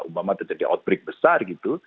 umpama itu jadi outbreak besar gitu